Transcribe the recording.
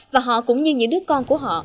và họ cũng như những đứa con của họ